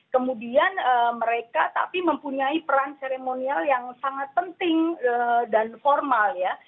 kemudian mereka tapi mempunyai peran seremonial yang sangat penting dan formal ya